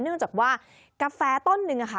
เนื่องจากว่ากาแฟต้นหนึ่งค่ะ